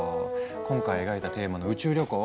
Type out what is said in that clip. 今回描いたテーマの「宇宙旅行」